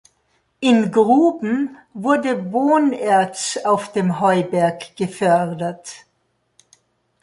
In Gruben wurde Bohnerz auf dem Heuberg gefördert.